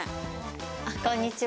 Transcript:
あっ、こんにちは。